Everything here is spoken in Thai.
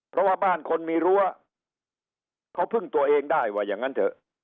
เพราะว่าบ้านคนมีรั้วเขาพึ่งตัวเองได้ว่าอย่างนั้นเถอะ